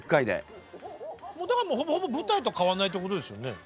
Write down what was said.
ほぼほぼ舞台と変わらないってことですよね。